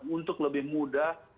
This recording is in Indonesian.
untuk lebih mudah